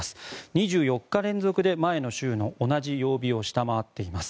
２４日連続で前の週の同じ曜日を下回っています。